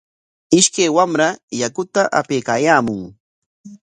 Ishkaq wamra yakuta apaykaayaamun.